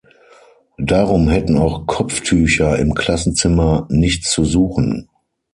Darum hätten auch Kopftücher „im Klassenzimmer nichts zu suchen“.